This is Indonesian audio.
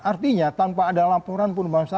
artinya tanpa ada laporan pun bangsa